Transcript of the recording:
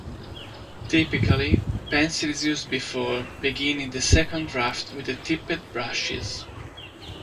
Typically, pencil is used before beginning the second draft with the tipped brushes.